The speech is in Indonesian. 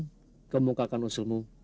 saya akan memungkakan usulmu